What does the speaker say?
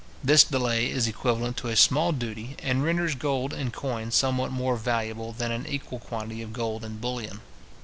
This delay is equivalent to a small duty, and renders gold in coin somewhat more valuable than an equal quantity of gold in bullion.